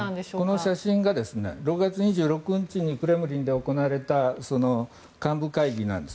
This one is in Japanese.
この写真が６月２６日にクレムリンで行われた幹部会議なんです。